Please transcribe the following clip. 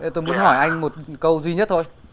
tôi muốn hỏi anh một câu duy nhất thôi